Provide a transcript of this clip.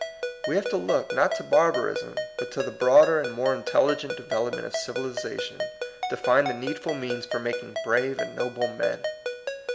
We have to look, not to barbarism, but to the broader and more intelligent development of civilization to find the needful means for making brave and noble men.